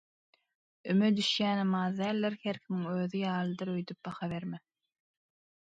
Üme düşýänem az däldir, her kime özüň ýalydyr öýdüp baha berme!